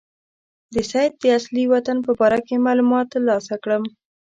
د سید د اصلي وطن په باره کې معلومات ترلاسه کړم.